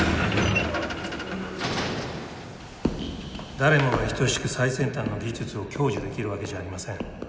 誰もが等しく最先端の技術を享受できるわけじゃありません。